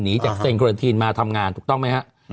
หนีจากสเตรดควารันทีนมาทำงานถูกต้องไหมครับ